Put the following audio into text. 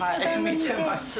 見てます。